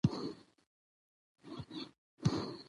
د مېلو پر مهال ځيني خلک خپله دودیزه اشپزي زده کوي.